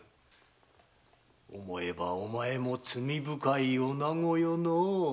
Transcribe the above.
思えばお前も罪深い女子よのう。